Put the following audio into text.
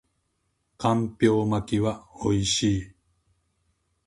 干瓢巻きは美味しい